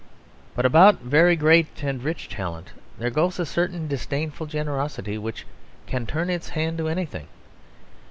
But about very great and rich talent there goes a certain disdainful generosity which can turn its hand to anything.